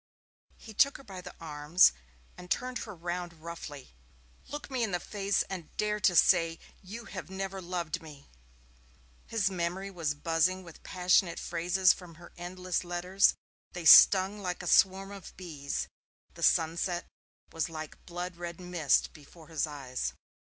He took her by the arms and turned her round roughly. 'Look me in the face and dare to say you have never loved me.' His memory was buzzing with passionate phrases from her endless letters. They stung like a swarm of bees. The sunset was like blood red mist before his eyes.